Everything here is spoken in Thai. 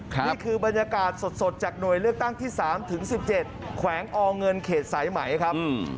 นี่คือบรรยากาศสดจากหน่วยเลือกตั้งที่๓ถึง๑๗แขวงอเงินเขตสายไหมครับ